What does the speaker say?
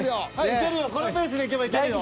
いけるよこのペースでいけばいけるよ。